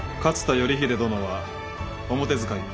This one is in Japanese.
頼秀殿は表使いを。